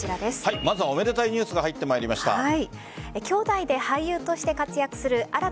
まずはおめでたいニュースが入ってきました。